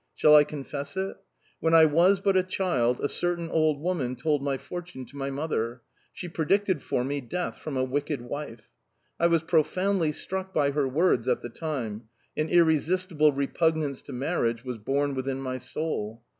Shall I confess it? When I was but a child, a certain old woman told my fortune to my mother. She predicted for me death from a wicked wife. I was profoundly struck by her words at the time: an irresistible repugnance to marriage was born within my soul...